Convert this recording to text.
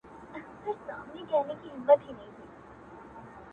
ستا دردونه خو کټ مټ لکه شراب دي,